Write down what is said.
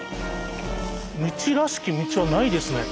道らしき道はないですね。